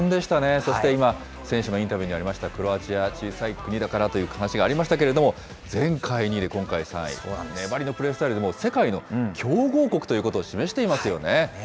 そして今、選手のインタビューにありましたクロアチア、小さい国だからという話がありましたけれども、前回２位、今回は３位、粘りのプレースタイルでも世界の強豪国ということを示していますよね。